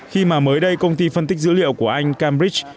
khi mà mới đây công ty phân tích dữ liệu của anh cambright